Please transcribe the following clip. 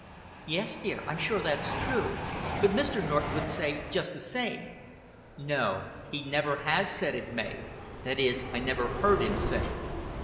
"Yes, dear, I'm sure that's true. But Mr. Norton would say just the same." "He never has said it, Mav. That is, I never heard him say it."